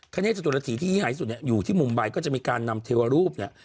เนธจตุรฐีที่ยิ่งใหญ่ที่สุดเนี่ยอยู่ที่มุมใบก็จะมีการนำเทวรูปเนี่ย